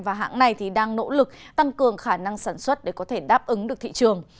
và hãng này đang nỗ lực tăng cường khả năng sản xuất để có thể đáp ứng được thị trường